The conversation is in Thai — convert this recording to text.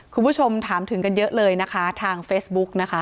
คุณผู้ชมถามถึงกันเยอะเลยนะคะทางเฟซบุ๊กนะคะ